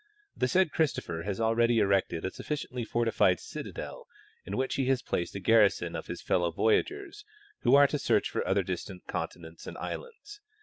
The said Christopher has already erected a sufficiently fortified citadel, in which he has placed a garrison of his fellow voyagers, who are to search for other distant continents and islands.